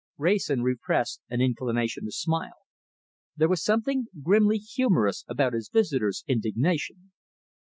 Wrayson repressed an inclination to smile. There was something grimly humourous about his visitor's indignation.